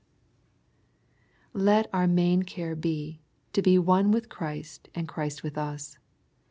Let our main care be, to be one with Christ and Christ with us.